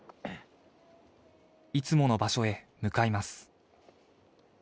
いつもの場所へ向かいます